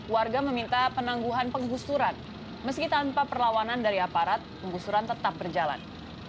warga meminta penangguhan penggusuran meski tanpa perlawanan dari aparat penggusuran tetap berjalan